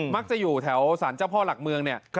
มักจะอยู่แถวศาลเจ้าพ่อหลักเมือง